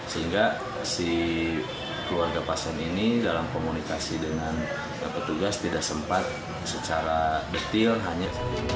sehingga si keluarga pasien ini dalam komunikasi dengan petugas tidak sempat secara detail hanya